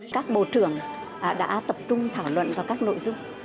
các bộ trưởng đã tập trung thảo luận vào các nội dung